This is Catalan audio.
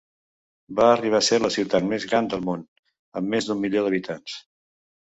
Va arribar a ser la ciutat més gran del món, amb més d'un milió d'habitants.